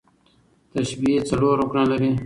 تشبیه څلور رکنه لري.